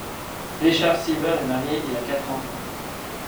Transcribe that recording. Richard Seeber est marié et a quatre enfants.